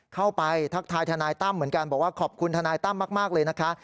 ทักทายทนายตั้มเหมือนกันบอกว่าขอบคุณทนายตั้มมากเลยนะคะ